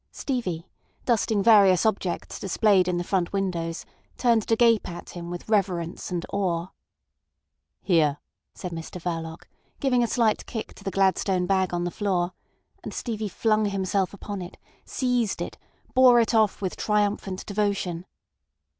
Stevie, dusting various objects displayed in the front windows, turned to gape at him with reverence and awe. "Here!" said Mr Verloc, giving a slight kick to the gladstone bag on the floor; and Stevie flung himself upon it, seized it, bore it off with triumphant devotion.